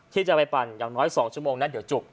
ที่จะไปปั่นอย่างน้อย๒ชั่วโมงนะเดี๋ยวจุก